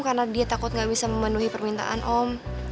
karena dia takut gak bisa memenuhi permintaan om